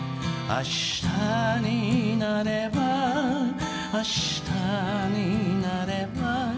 「明日になれば明日になれば」